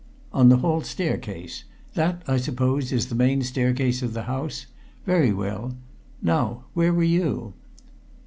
"On the hall staircase. That, I suppose, is the main staircase of the house? Very well. Now where were you?"